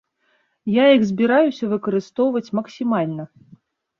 Я іх збіраюся выкарыстоўваць максімальна.